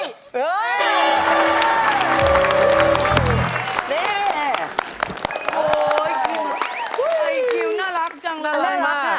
นี่ไอ้คิวน่ารักจังเลย